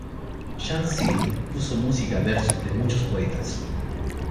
Chan Cil puso música a versos de muchos poetas.